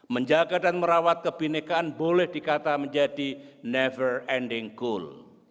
menjaga dan merawat kebinekaan boleh dikata menjadi never ending goal